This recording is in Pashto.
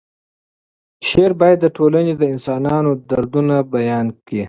شعر باید د ټولنې د انسانانو دردونه بیان کړي.